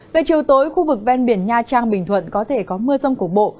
về chiều tối khu vực ven biển nha trang bình thuận có thể có mưa rông cục bộ